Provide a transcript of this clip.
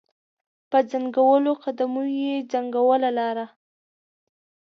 په ځنګولو قدمو یې ځنګوله لاره